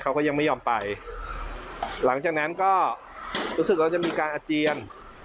เขาก็ยังไม่ยอมไปหลังจากนั้นก็รู้สึกว่าจะมีการอาเจียน